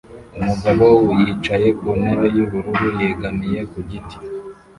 Umugabo yicaye ku ntebe yubururu yegamiye ku giti